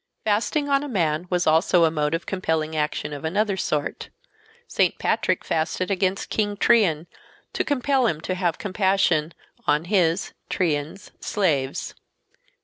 "Fasting on a man" was also a mode of compelling action of another sort. St. Patrick fasted against King Trian to compel him to have compassion on his [Trian's] slaves.